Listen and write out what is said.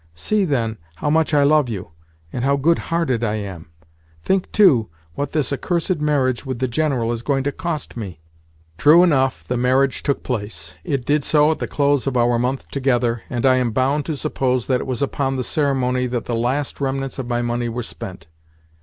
See, then, how much I love you, and how good hearted I am! Think, too, what this accursed marriage with the General is going to cost me!" True enough, the marriage took place. It did so at the close of our month together, and I am bound to suppose that it was upon the ceremony that the last remnants of my money were spent.